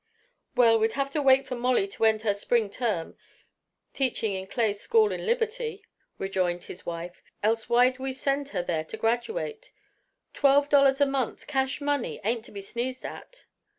"Well, we'd have to wait for Molly to end her spring term, teaching in Clay School, in Liberty," rejoined his wife, "else why'd we send her there to graduate? Twelve dollars a month, cash money, ain't to be sneezed at."